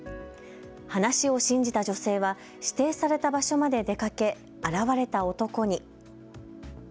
話を信じた女性は指定された場所まで出かけ、現れた男に。